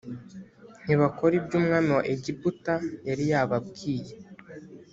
ntibakora ibyo umwami wa egiputa yari yababwiye